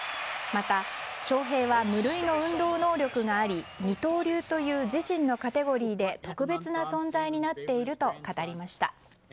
また翔平は無類の運動能力があり二刀流という自身のカテゴリーで特別な存在になっていると語りました。